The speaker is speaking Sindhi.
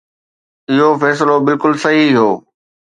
اهو فيصلو بلڪل صحيح هو.